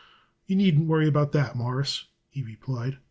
"You needn't worry about that, Mawruss," he replied.